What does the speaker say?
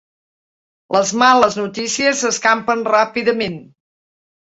Les males notícies s'escampen ràpidament.